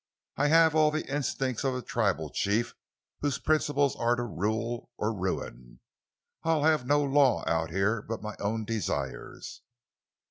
I have all the instincts of a tribal chief whose principles are to rule or ruin! I'll have no law out here but my own desires!"